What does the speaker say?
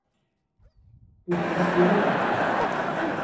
Bu benim görevim.